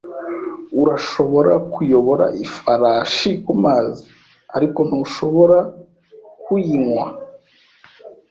Urashobora kuyobora ifarashi kumazi, ariko ntushobora kuyinywa.